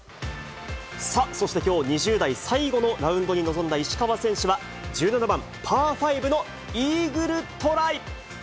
さあ、そしてきょう２０代最後のラウンドに臨んだ石川選手は、１７番パー５のイーグルトライ。